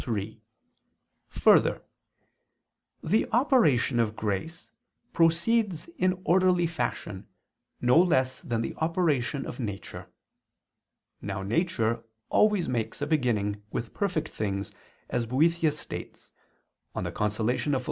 3: Further, the operation of grace proceeds in orderly fashion no less than the operation of nature. Now nature always makes a beginning with perfect things, as Boethius states (De Consol. iii).